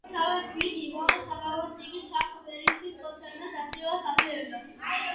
მისივე თქმით, იმავე საღამოს იგი ჩაკ ბერის კონცერტზე დასწრებას აპირებდა.